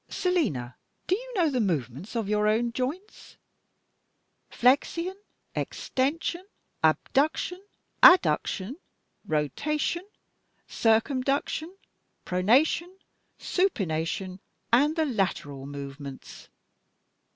Selina, do you know the movements of your own joints? Flexion, extension, abduction, adduction, rotation, circumduction, pronation, supination, and the lateral movements.